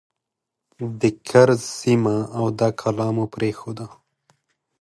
د کرز سیمه او دا کلا مو پرېښوده.